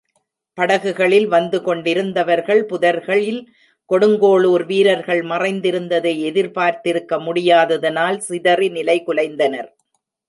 படகுகளில் வந்துகொண்டிருந்தவர்கள் புதர்களில் கொடுங்கோளூர் வீரர்கள் மறைந்திருந்ததை எதிர்பார்த்திருக்க முடியாத தனால் சிதறி நிலை குலைந்தனர்.